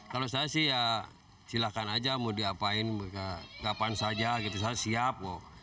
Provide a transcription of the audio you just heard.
kalau saya sih ya silahkan aja mau diapain kapan saja gitu saya siap